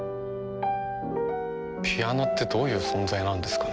ピアノってどういう存在なんですかね？